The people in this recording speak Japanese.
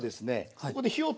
ここで火を通す。